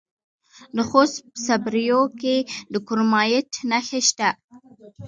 د خوست په صبریو کې د کرومایټ نښې شته.